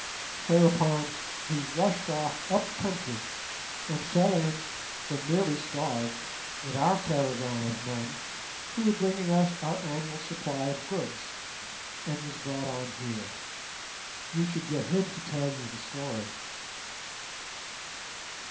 Whereupon he rushed off up country, and fell in, when nearly starved, with our caravan of men, who were bringing us our annual supply of goods, and was brought on here. You should get him to tell you the story."